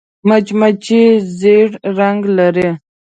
مچمچۍ ژیړ رنګ لري